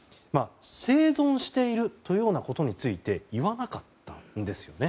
生存しているということについて言わなかったんですよね。